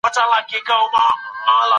دنده باید په پوره ایماندارۍ ترسره سي.